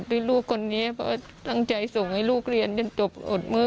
ที่ลูกคนนี้เพราะตั้งใจส่งให้ลูกเรียนจนจบอดมือ